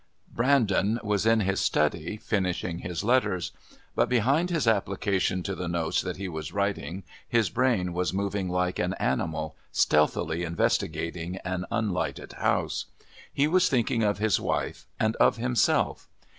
Brandon was in his study finishing his letters. But behind his application to the notes that he was writing his brain was moving like an animal steathily investigating an unlighted house. He was thinking of his wife and of himself.